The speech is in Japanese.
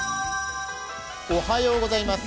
おはようございます。